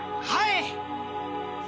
はい！